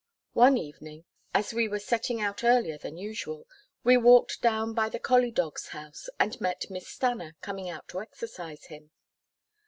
One evening, as we were setting out earlier than usual, we walked down by the collie dog's house, and met Miss Stanna coming out to exercise him.